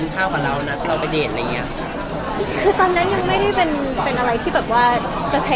เพราะว่าวันที่พี่แหวนแหวนเรื่องรูปนั่นแหละ